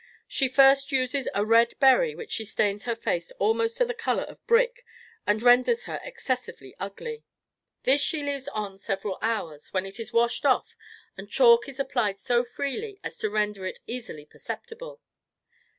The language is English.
She first uses a red berry which stains her face almost to the color of brick and renders her excessively ugly; this she leaves on several hours, when it is washed off and chalk is applied so freely as to render it easily perceptible.